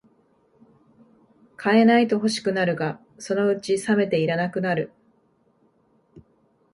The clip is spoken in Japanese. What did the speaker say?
買えないと欲しくなるが、そのうちさめていらなくなる